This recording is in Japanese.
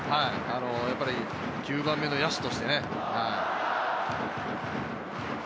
やっぱり１０番目の野手として。